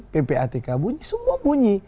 ppatk bunyi semua bunyi